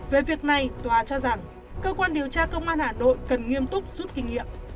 về việc này tòa cho rằng cơ quan điều tra công an hà nội cần nghiêm túc rút kinh nghiệm